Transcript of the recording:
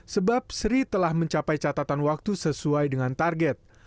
sebab sri telah mencapai catatan waktu sesuai dengan target